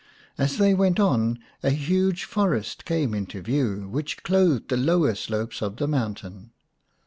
As they went on a huge forest came into view, which clothed the lower slopes of the mountain.